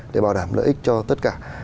để bảo đảm lợi ích cho tất cả